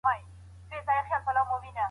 خلک اکثره لنډمهاله ګټې ته لومړیتوب ورکوي.